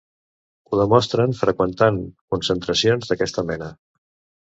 Ho demostren freqüentant concentracions d’aquesta mena.